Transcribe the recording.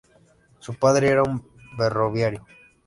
Su padre era un ferroviario.